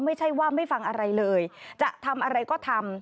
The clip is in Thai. ไม่ใช่ว่าไม่ฟังอะไรเลยจะทำอะไรก็ทำ